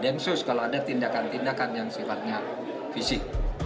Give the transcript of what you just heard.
dan deng sus kalau ada tindakan tindakan yang sifatnya fisik